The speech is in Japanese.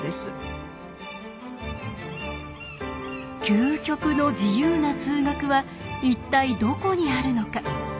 究極の自由な数学は一体どこにあるのか。